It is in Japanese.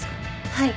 はい。